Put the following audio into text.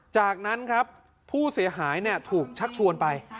จากนั้นครับผู้เสียหายถูกชักชวนไป